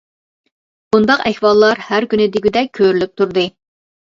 بۇنداق ئەھۋاللار ھەر كۈنى دېگۈدەك كۆرۈلۈپ تۇردى.